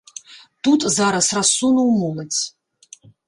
Тут зараз рассунуў моладзь.